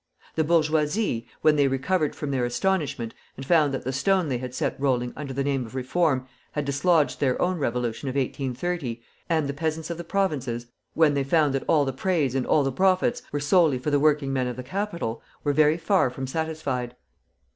The bourgeoisie, when they recovered from their astonishment and found that the stone they had set rolling under the name of reform had dislodged their own Revolution of 1830, and the peasants of the provinces, when they found that all the praise and all the profits were solely for the working men of the capital, were very far from satisfied.